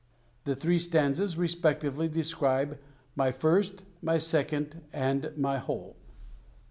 The three stanzas respectively describe "My First," "My Second," and "My Whole."